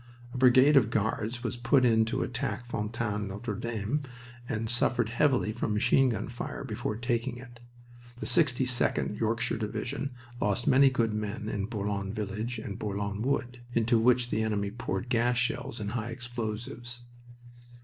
A brigade of Guards was put in to attack Fontaine Notre Dame, and suffered heavily from machine gun fire before taking it. The 62d (Yorkshire) Division lost many good men in Bourlon Village and Bourlon Wood, into which the enemy poured gas shells and high explosives.